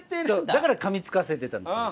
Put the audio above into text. だから噛みつかせてたんですけど。